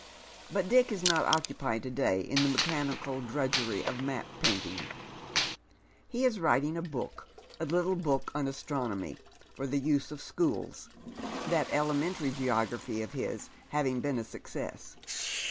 But Dick is not occupied to day in the mechanical drudgery of map painting ; he is writing a book, a little book on astronomy, for the use of schools, — that elementary geography of his having been a success.